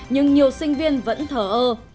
nhưng nhiều sinh viên vẫn thở ơ